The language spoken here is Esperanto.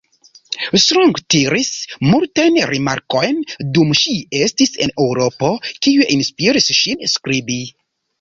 Strong tiris multajn rimarkojn dum ŝi estis en Eŭropo, kiuj inspiris ŝin skribi.